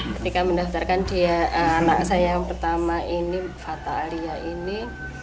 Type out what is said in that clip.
ketika mendaftarkan dia anak saya yang pertama ini fata alia ini